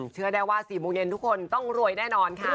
เชื่อได้ว่า๔โมงเย็นทุกคนต้องรวยแน่นอนค่ะ